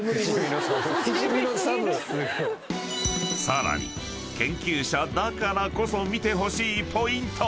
［さらに研究者だからこそ見てほしいポイント］